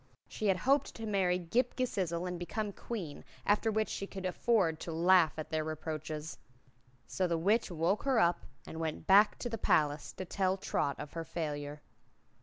She had hoped to marry Ghip Ghisizzle and become Queen, after which she could afford to laugh at their reproaches. So the Witch woke her up and went back to the palace to tell Trot of her failure.